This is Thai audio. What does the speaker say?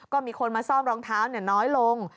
ก็มีคนมาซ่อมรองเท้าน้อยลง